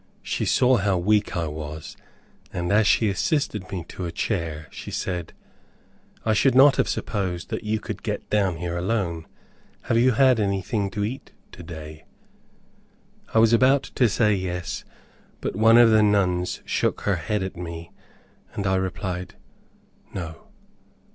She saw how weak I was, and as she assisted me to a chair, she said, "I should not have supposed that you could get down here alone. Have you had anything to eat to day?" I was about to say yes, but one of the nuns shook her head at me, and I replied "No."